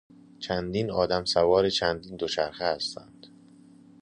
چندین آدم سوار چندین دوچرخه هستند.